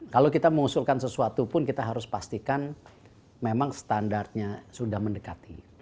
kalau kita mengusulkan sesuatu pun kita harus pastikan memang standarnya sudah mendekati